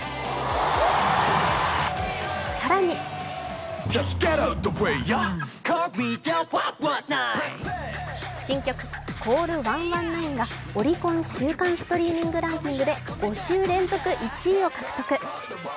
更に、新曲「ＣＡＬＬ１１９」がオリコン週間ストリーミングランキングで５週連続１位を獲得。